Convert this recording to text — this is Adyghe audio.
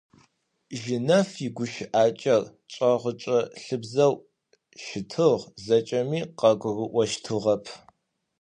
Жьынэф игущыӏакӏэ чӏэгъычӏэлъыбзэу щытыгъ, зэкӏэми къагурыӏощтыгъэп.